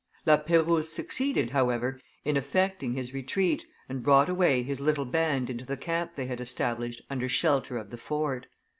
[Illustration: Death of Plelo 130] La Peyrouse succeeded, however, in effecting his retreat, and brought away his little band into the camp they had established under shelter of the fort.